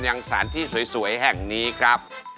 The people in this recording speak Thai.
ยังสถานที่สวยแห่งนี้ครับ